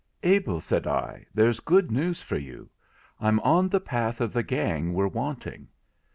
'Abel,' said I, 'there's good news for you. I'm on the path of the gang we're wanting.'